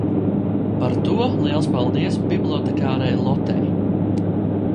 par to liels paldies bibliotekārei Lotei